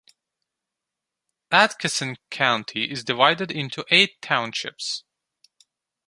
Atchison County is divided into eight townships.